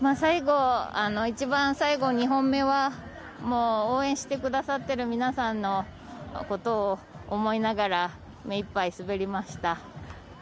一番最後２本目は応援してくださっている皆さんのことを思いながら目いっぱい滑りました。